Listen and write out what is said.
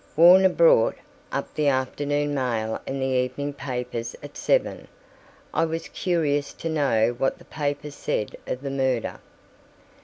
Warner brought up the afternoon mail and the evening papers at seven—I was curious to know what the papers said of the murder.